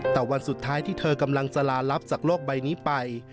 แต่วันสุดท้ายที่เธอกำลังจะลาลับจากโลกใบนี้ไป